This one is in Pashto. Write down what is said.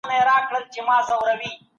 د سرچینو ښه مدیریت د پرمختګ لاره پرانیزي.